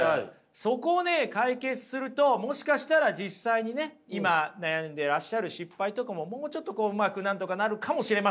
そこを解決するともしかしたら実際にね今悩んでらっしゃる失敗とかももうちょっとうまくなんとかなるかもしれませんよ。